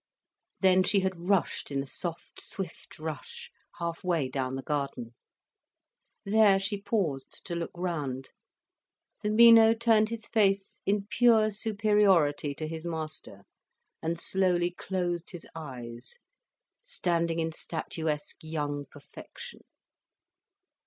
Then she had rushed in a soft swift rush, half way down the garden. There she paused to look round. The Mino turned his face in pure superiority to his master, and slowly closed his eyes, standing in statuesque young perfection.